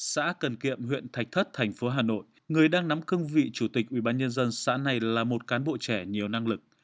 xã cần kiệm huyện thạch thất tp hà nội người đang nắm cưng vị chủ tịch ubnd xã này là một cán bộ trẻ nhiều năng lực